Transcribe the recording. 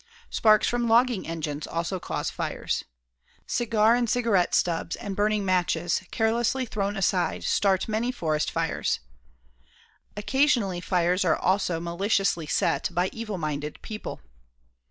Sparks from logging engines also cause fires. Cigar and cigarette stubs and burning matches carelessly thrown aside start many forest fires. Occasionally fires are also maliciously set by evil minded people.